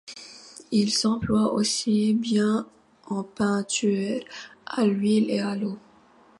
Ils s'emploient aussi bien en peinture à l'huile et à l'eau.